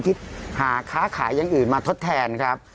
หาค้าขายอย่างอื่นมาทดแทนครับ